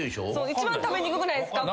一番食べにくくないっすか？